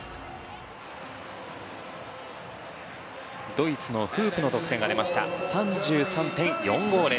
ドイツのフープの得点が出ました。３３．４５０